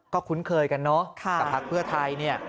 ก็คุ้นเคยกันเนอะกับพักเพื่อไทยเนี่ย